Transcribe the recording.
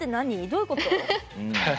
どういうこと？